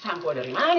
sampo dari mana nih